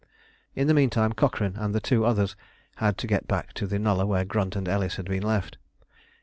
In the meantime Cochrane and the two others had to get back to the nullah where Grunt and Ellis had been left.